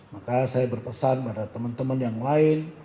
maka saya berpesan pada teman teman yang lain